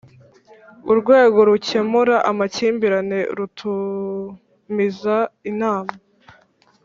Urwego rukemura amakimbirane rutumiza inama